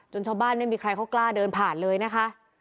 ชาวบ้านไม่มีใครเขากล้าเดินผ่านเลยนะคะ